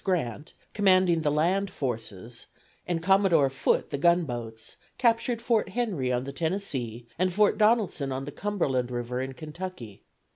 Grant, commanding the land forces, and Commodore Foote the gunboats, captured Fort Henry on the Tennessee, and Fort Donelson on the Cumberland River in Kentucky.